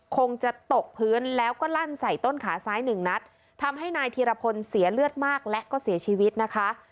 คงจะตกพื้นแล้วก็ลั่นใส่ต้นขาซ้ายหนึ่งนัดทำให้นายธีรพลเสียเลือดมากและก็เสียชีวิตนะคะ